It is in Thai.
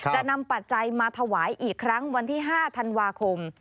นำปัจจัยมาถวายอีกครั้งวันที่๕ธันวาคม